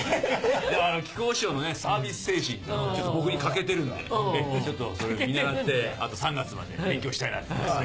でも木久扇師匠のサービス精神って僕に欠けてるんでちょっと見習ってあと３月まで勉強したいなと思います。